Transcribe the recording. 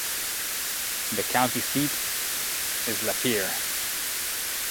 The county seat is Lapeer.